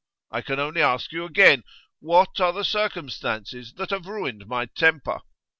I can only ask you again: What are the circumstances that have ruined my temper?